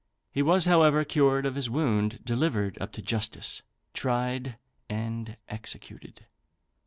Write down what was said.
He was, however, cured of his wound, delivered up to justice, tried, and executed.